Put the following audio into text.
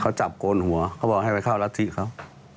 เขาจับโกนหัวเขาบอกให้ไปเข้ารัฐธิเขา